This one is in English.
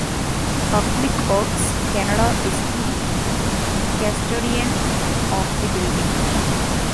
Public Works Canada is the custodian of the building.